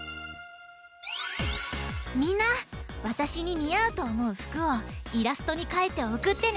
みんなわたしににあうとおもうふくをイラストにかいておくってね！